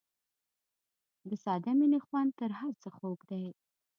د ساده مینې خوند تر هر څه خوږ دی.